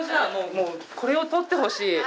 もうこれを撮ってほしい。